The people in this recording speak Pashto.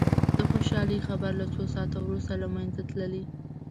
د خوشالي خبر له څو ساعتونو وروسته له منځه تللي.